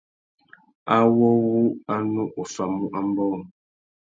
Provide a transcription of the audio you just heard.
Awô wu a nu offamú ambōh.